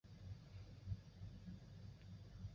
是由远月内评价最高的十名学生所组成的委员会。